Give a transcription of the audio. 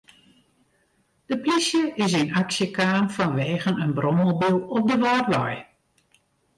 De plysje is yn aksje kaam fanwegen in brommobyl op de Wâldwei.